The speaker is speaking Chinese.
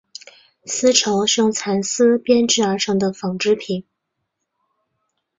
丝绸是用蚕丝编制而成的纺织品。